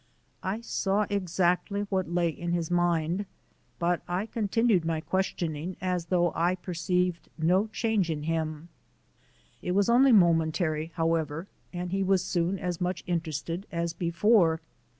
I saw exactly what lay in his mind, but I continued my questioning as though I perceived no change in him. It was only momentary, however, and he was soon as much interested as before.